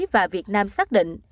và việt nam xác định